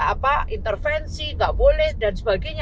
apa intervensi nggak boleh dan sebagainya